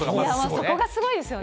そこがすごいですよね。